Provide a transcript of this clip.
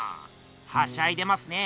はしゃいでますね。